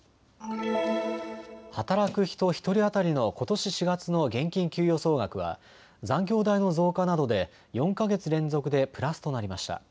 働く人１人当たりのことし４月の現金給与総額は残業代の増加などで４か月連続でプラスとなりました。